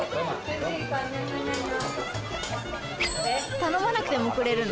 頼まなくてもくれるの？